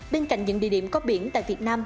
bên cạnh những địa điểm có biển tại việt nam